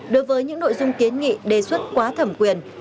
đối với những nội dung kiến nghị đề xuất quá thẩm quyền